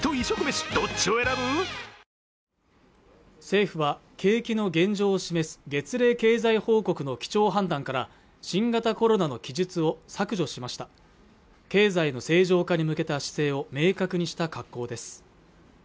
政府は景気の現状を示す月例経済報告の基調判断から新型これらの記述を削除しました経済の正常化に向けた姿勢を明確にした格好です